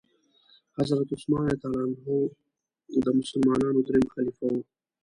حضرت عثمان رضي الله تعالی عنه د مسلمانانو دريم خليفه وو.